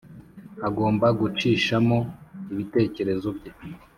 agomba gucishamo ibitekerezo bye.